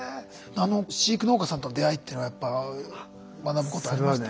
あの飼育農家さんとの出会いってのはやっぱ学ぶことありました？